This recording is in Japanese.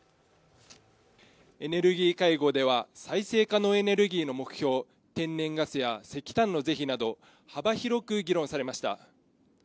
エネルギー会合では再生可能エネルギーへの目標、天然ガスや石炭のぜひなど幅広く議論されました。